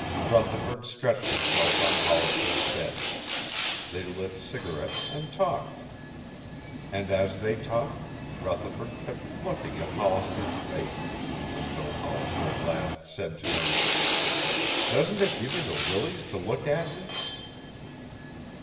Rutherford stretched himself on Hollister's bed. They lit cigarettes and talked. And as they talked, Rutherford kept looking at Hollister's face, until Hollister at last said to him: "Doesn't it give you the willies to look at me?"